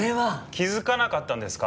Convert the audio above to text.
気づかなかったんですか？